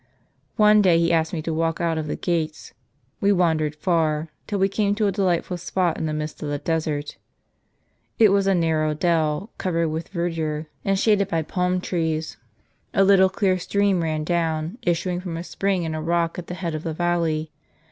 One day he asked me to walk out of the gates ; we wandered far, till we came to a delightful spot in the midst of the desert." It was a narrow dell, covered with verdure, and shaded by palm trees; a little clear stream ran down, issuing from a spring in a rock at the head of the valley.